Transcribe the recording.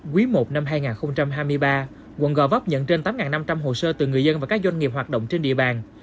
quý i năm hai nghìn hai mươi ba quận gò vấp nhận trên tám năm trăm linh hồ sơ từ người dân và các doanh nghiệp hoạt động trên địa bàn